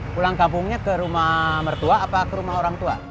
pulang kampungnya ke rumah mertua apa ke rumah orang tua